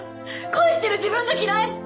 恋してる自分が嫌い。